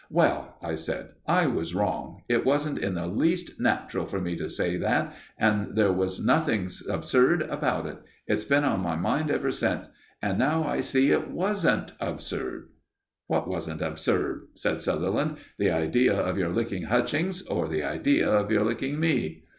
"Well," I said, "I was wrong it wasn't in the least natural for me to say that, and there's nothing absurd about it. It's been on my mind ever since. And now I see it wasn't absurd." "What wasn't absurd?" asked Sutherland. "The idea of your licking Hutchings, or the idea of your licking me?"